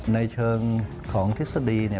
ในเชิงของทฤษฎี